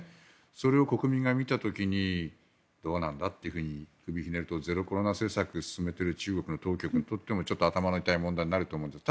それを国民が見た時にどうなんだと首をひねるとゼロコロナ政策を進めている中国当局にとってもちょっと頭の痛い問題になると思います。